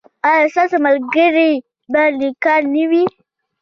ایا ستاسو ملګري به نیکان نه وي؟